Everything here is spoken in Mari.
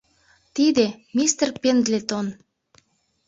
Тиде — мистер Пендлетон!